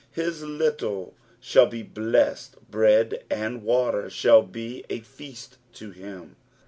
His little shall be blessed, bread and water shall be a feast to him.